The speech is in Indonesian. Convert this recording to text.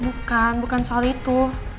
bukan bukan soal itu